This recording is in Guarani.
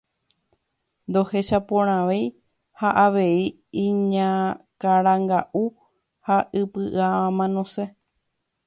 Ndohechaporãvei ha avei iñakãnga'u ha ipy'amanose.